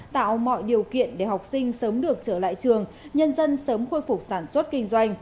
tạo mọi điều kiện để học sinh sớm được trở lại trường nhân dân sớm khôi phục sản xuất kinh doanh